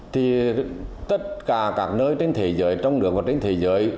thì tất cả các nơi trên thế giới trong nước và trên thế giới